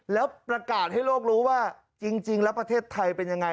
แล้วประกาศให้โลกรู้ว่าจริงแล้วประเทศไทยเป็นยังไง